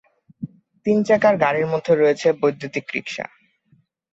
তিন চাকার গাড়ির মধ্যে রয়েছে বৈদ্যুতিক রিক্সা।